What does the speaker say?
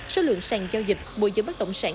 số lượng sàng giao dịch mùa giới bất đồng sản